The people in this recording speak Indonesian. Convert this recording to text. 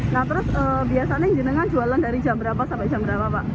nah terus biasanya jualan dari jam berapa sampai jam berapa pak